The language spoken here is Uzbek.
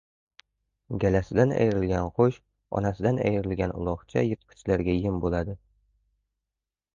• Galasidan ayrilgan qush, onasidan ayrilgan uloqcha yirtqichlarga yem bo‘ladi.